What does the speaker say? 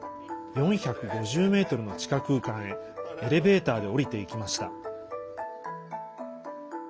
４５０ｍの地下空間へエレベーターで下りていきました。